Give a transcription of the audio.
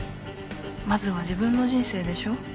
まずは自分の人生でしょ？